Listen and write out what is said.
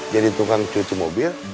jadi tukang cuci mobil